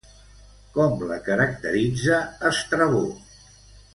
Com la caracteritza Estrabó?